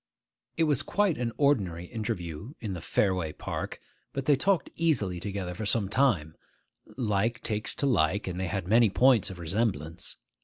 It was quite an ordinary interview in the Fareway Park but they talked easily together for some time: like takes to like, and they had many points of resemblance.